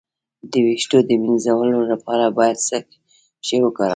د ویښتو د مینځلو لپاره باید څه شی وکاروم؟